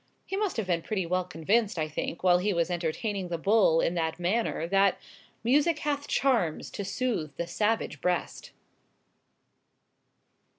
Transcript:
He must have been pretty well convinced, I think, while he was entertaining the bull in that manner, that "Music hath charms to soothe the savage breast."